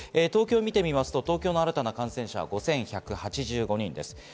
東京を見てみると、新たな感染者は５１８５人です。